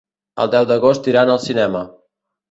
El deu d'agost iran al cinema.